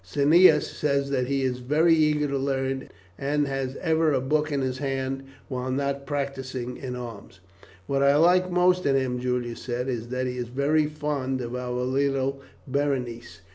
Cneius says that he is very eager to learn, and has ever a book in his hand when not practising in arms." "What I like most in him," Julia said, "is that he is very fond of our little Berenice.